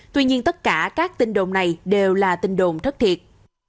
tuy nhiên tất cả các tin đồn này đều là tin đồn thất thiệt